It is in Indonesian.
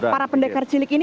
para pendekar cilik ini